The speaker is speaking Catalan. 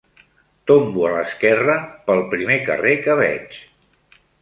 Tombo a l'esquerra pel primer carrer que veig